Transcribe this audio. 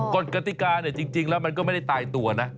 กฎกติกาเนี่ยจริงแล้วมันก็ไม่ได้ตายตัวนะ